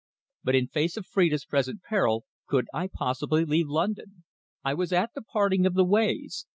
But in face of Phrida's present peril could I possibly leave London? I was at the parting of the ways.